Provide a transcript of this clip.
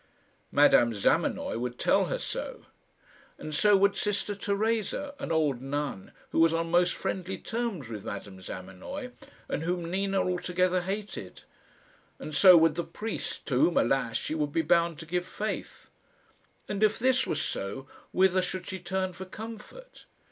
Madame Zamenoy would tell her so, and so would Sister Teresa, an old nun, who was on most friendly terms with Madame Zamenoy, and whom Nina altogether hated; and so would the priest, to whom, alas! she would be bound to give faith. And if this were so, whither should she turn for comfort?